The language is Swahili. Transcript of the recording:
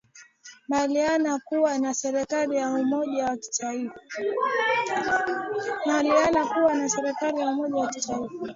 mbaliana kuwa na serikali ya umoja wa kitaifa